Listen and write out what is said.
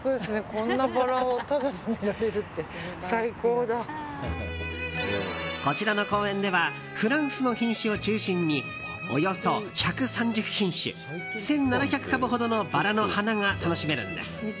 こんなバラをタダで見られるってこちらの公園ではフランスの品種を中心におよそ１３０品種１７００株ほどのバラの花が楽しめるんです。